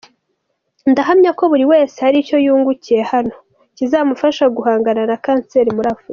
Ndahamya ko buri wese hari icyo yungukiye hano kizamufasha guhangana na kanseri muri Afurika.